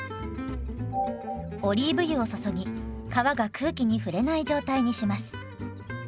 オリーブ油を注ぎ皮が空気に触れない状態にします。